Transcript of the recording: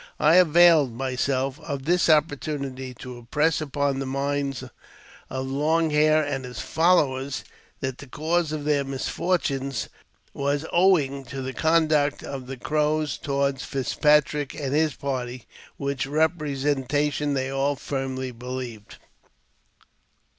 I availed myself of this oppor tunity to impress upon the minds of Long Hair and his followers that the cause of their misfortune was owing to the jonduct of the Crows toward Fitzpatrick and his party, which 'epresentation they all firmly believed.